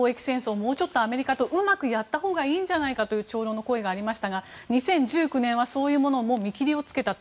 もうちょっとアメリカとうまくやったほうがいいんじゃないかという長老の声がありましたが２０１９年はそういうものももう見切りをつけたと。